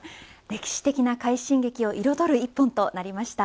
歴史的な快進撃を彩る１本となりました。